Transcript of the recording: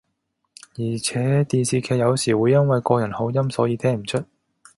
而且電視劇有時會因為個人口音所以聽唔出